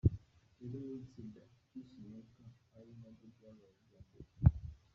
Yari mu itsinda “Peace Makers” ari naryo ryabaye irya mbere.